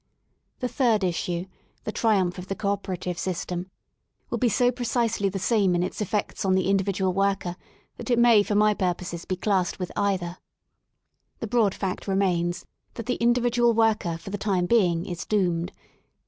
The third issue^ the triumph of the co operative system, will be so precisely the same in its effects on the individual worker that it may for my purposes be classed with either. The broad fact remains that the individual worker for the time being is doomed.